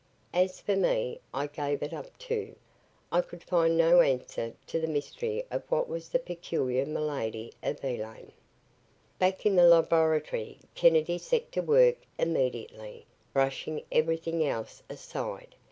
As for me, I gave it up, too. I could find no answer to the mystery of what was the peculiar malady of Elaine. Back in the laboratory, Kennedy set to work immediately, brushing everything else aside.